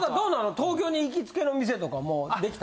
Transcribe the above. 東京に行きつけの店とかもうできた？